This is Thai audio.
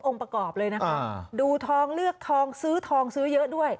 ประกอบเลยนะคะดูทองเลือกทองซื้อทองซื้อเยอะด้วย